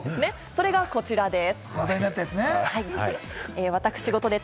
それがこちらです。